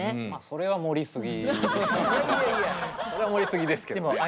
それは盛りすぎですけどね。